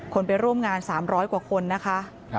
ไปร่วมงาน๓๐๐กว่าคนนะคะ